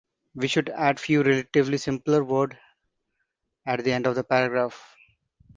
We should add a few relatively simple words at the end of the paragraph.